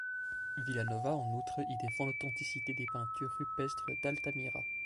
Vilanova, en outre, y défend l'authenticité des peintures rupestres d'Altamira.